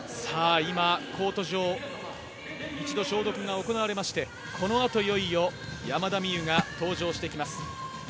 今、コート上一度、消毒が行われましてこのあといよいよ山田美諭が登場してきます。